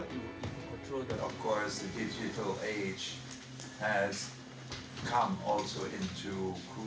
tentu saja kerajaan digital juga berhasil menerjakan penerbangan kru